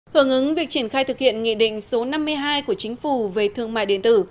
hưởng ứng việc triển khai thực hiện nghị định số năm mươi hai của chính phủ về thương mại điện tử